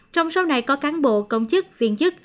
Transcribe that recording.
trong số này có cán bộ công chức viên chức